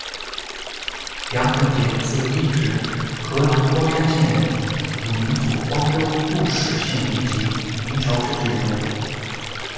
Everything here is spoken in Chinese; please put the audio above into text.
杨逢节，字应时，河南光山县人，汝宁府光州固始县民籍，明朝政治人物。